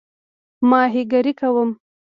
ماهیګیري کوم؟